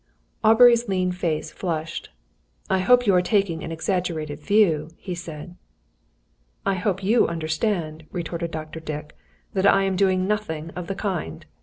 Aubrey's lean face flushed. "I hope you are taking an exaggerated view," he said. "I hope you understand," retorted Dr. Dick, "that I am doing nothing of the kind.